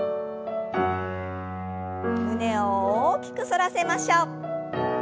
胸を大きく反らせましょう。